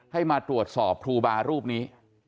ให้มาตรวจสอบครูบารูปนี้